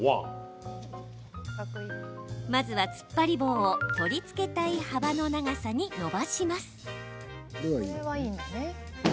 まずは、つっぱり棒を取り付けたい幅の長さに伸ばします。